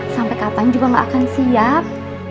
sampai kapan juga nggak akan siap